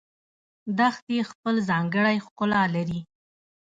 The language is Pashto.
دښتې خپل ځانګړی ښکلا لري